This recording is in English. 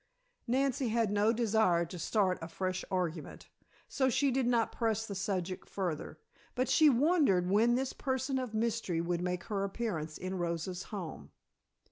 Nancy had no desire to start a fresh argument. So she did not press the subject further, but she wondered when this person of mystery would make her appearance in Rosa's home.